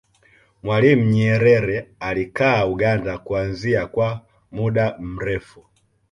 mwalimu nyerere alikaa uganda kuanzia kwa muda mrefu